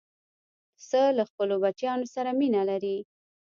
پسه له خپلو بچیانو سره مینه لري.